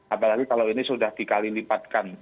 apalagi kalau ini sudah dikali lipatkan